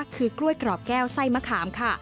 คือกล้วยกรอบแก้วไส้มะขามค่ะ